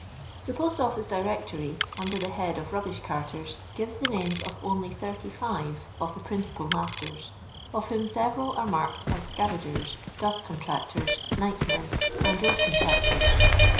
The Pot^Office Directory, under the head of rubbish carters, gives the names of only 35 of the principal masters, of whom several are marked as scavagers, dust contractors, nightmen, and road contractors.